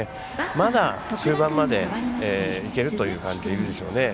まだ終盤までいけるという感じでいるでしょうね。